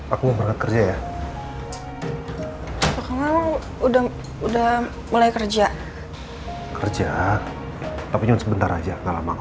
aku berat kerja ya udah udah mulai kerja kerja tapi sebentar aja kalau mau